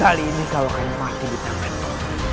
kali ini kau akan mati di tanganmu